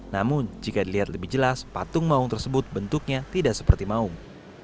namun jika dilihat lebih jelas patung maung tersebut bentuknya tidak seperti maung